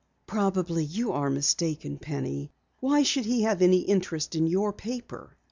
"Probably you are mistaken, Penny. Why should he have any interest in your paper?"